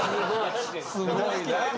すごいな！